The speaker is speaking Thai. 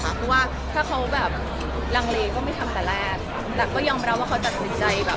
เพราะว่าถ้าเขาแบบลังเลก็ไม่ทำแต่แรกแต่ก็ยอมรับว่าเขาตัดสินใจแบบ